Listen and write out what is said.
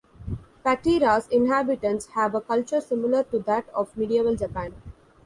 Patera's inhabitants have a culture similar to that of medieval Japan.